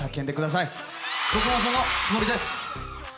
僕もそのつもりです！